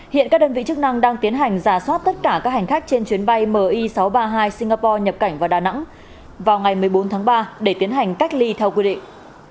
hiện các đơn vị chức năng đang tiến hành giả soát tất cả các hành khách trên chuyến bay mi sáu trăm ba mươi hai singapore nhập cảnh vào đà nẵng vào ngày một mươi bốn tháng ba để tiến hành cách ly theo quy định